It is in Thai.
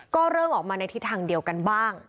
ก็เริ่มออกมาในทิศทางเดียวกันบ้าง